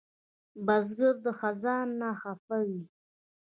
بزګر د خزان نه خفه وي